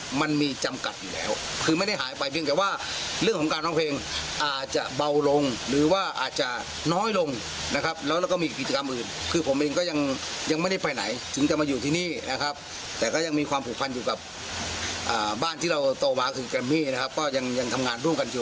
มันมีจำกัดอยู่แล้วคือไม่ได้หายไปเพียงแต่ว่าเรื่องของการร้องเพลงอาจจะเบาลงหรือว่าอาจจะน้อยลงนะครับแล้วแล้วก็มีกิจกรรมอื่นคือผมเองก็ยังยังไม่ได้ไปไหนถึงจะมาอยู่ที่นี่นะครับแต่ก็ยังมีความผูกพันอยู่กับอ่าบ้านที่เราโตมาคือแกรมมี่นะครับก็ยังยังทำงานร่วมกันอยู่